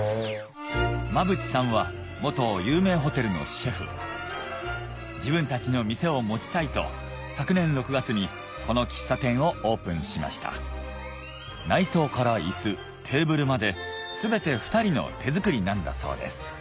馬淵さんは有名ホテルのシェフ自分たちの店を持ちたいと昨年６月にこの喫茶店をオープンしました内装から椅子テーブルまで全て２人の手作りなんだそうです